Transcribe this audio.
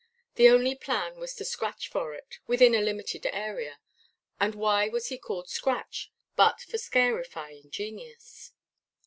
The only plan was to scratch for it, within a limited area; and why was he called "Scratch," but for scarifying genius?